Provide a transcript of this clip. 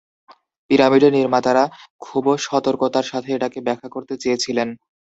পিরামিডের নির্মাতারা খুব সতর্কতার সাথে এটাকে ব্যাখ্যা করতে চেয়েছিল।